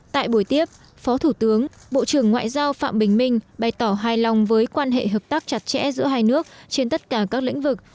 tại buổi tiếp phó thủ tướng bộ trưởng ngoại giao phạm bình minh bày tỏ hài lòng với quan hệ hợp tác chặt chẽ giữa hai nước trên tất cả các lĩnh vực